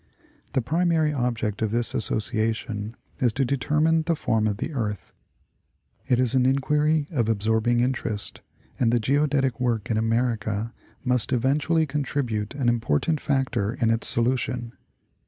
The primary object of this Association is to determine the form of the earth. It is an inquiry of absorbing interest, and the geodetic work in America must eventually contribute an important factor in its solution.